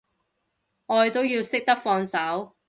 愛都要識得放手